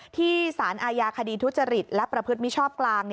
ที่สารอาญาคดีทุจริตและประพฤติมิชชอบกลาง